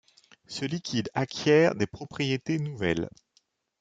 Ce liquide acquiert des propriétés nouvelles.